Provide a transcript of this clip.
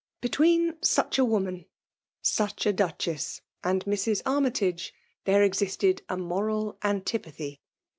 Between such a woman — such a Duchess — and Mrs. Armytage, there existed a moral antipathy.